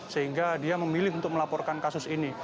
sehingga dia memilih untuk melaporkan kasus ini